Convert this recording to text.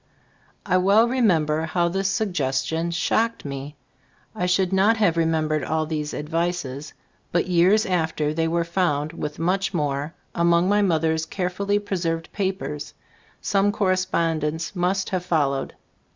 I well remember how this suggestion shocked me. I should not have remembered all these advices, but years after they were found with much more among my mother's care fully preserved papers; some corre spondence must have followed.